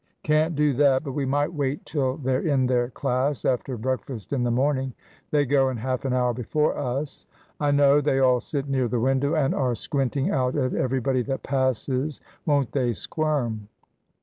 "Can't do that; but we might wait till they're in their class after breakfast in the morning. They go in half an hour before us. I know, they all sit near the window, and are squinting out at everybody that passes. Won't they squirm?"